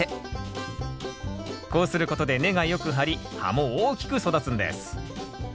こうすることで根がよく張り葉も大きく育つんです。